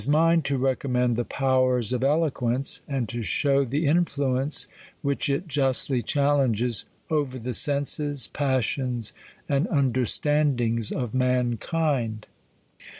mine to recommend the POWERS OF ELOQUENCE, and to show the influence which it justly challenges, over the senses, passions, and understandings of mankind.